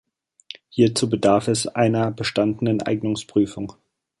Hierzu bedarf es einer bestandenen Eignungsprüfung.